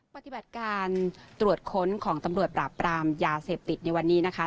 ปฏิบัติการตรวจค้นของตำรวจปราบปรามยาเสพติดในวันนี้นะคะ